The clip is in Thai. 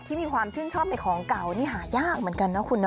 มีความชื่นชอบในของเก่านี่หายากเหมือนกันนะคุณนะ